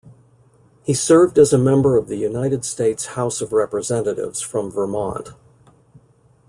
He served as a member of the United States House of Representatives from Vermont.